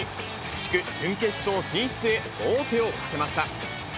地区準決勝進出へ、王手をかけました。